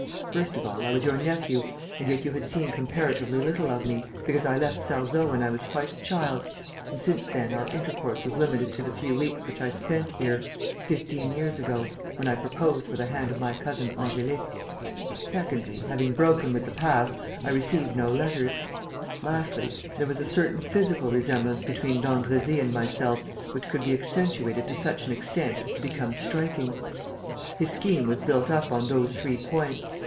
First of all, I was your nephew and yet you had seen comparatively little of me, because I left Sarzeau when I was quite a child, and since then our intercourse was limited to the few weeks which I spent here, fifteen years ago, when I proposed for the hand of my Cousin Angélique; secondly, having broken with the past, I received no letters; lastly, there was a certain physical resemblance between d'Andrésy and myself which could be accentuated to such an extent as to become striking. His scheme was built up on those three points.